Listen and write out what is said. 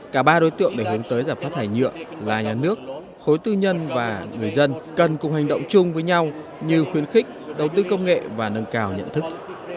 cả ba đối tượng để hướng tới giảm phát thải nhựa là nhà nước khối tư nhân và người dân cần cùng hành động chung với nhau như khuyến khích đầu tư công nghệ và nâng cao nhận thức